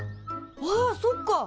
あっそっか！